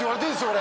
俺。